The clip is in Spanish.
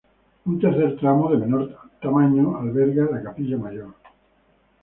Un tercer tramo, de menor tamaño, alberga la capilla mayor.